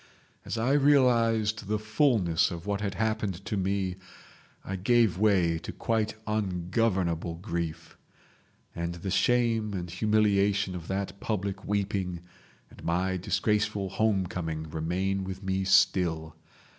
As I realised the fulness of what had happened to me, I gave way to quite ungovernable grief. And the shame and humiliation of that public weeping and my disgraceful homecoming remain with me still.